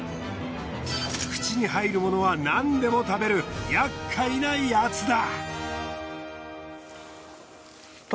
口に入るものはなんでも食べるやっかいなヤツだ。